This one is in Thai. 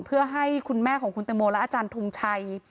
เพื่อให้คุณแม่ของคุณตังโมและอาจารย์ทงชัย